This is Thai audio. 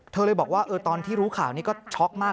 เธอเลยบอกว่าตอนที่รู้ข่าวนี้ก็ช็อกมาก